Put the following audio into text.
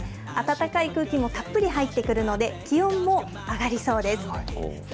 暖かい空気もたっぷり入ってくるので、気温も上がりそうです。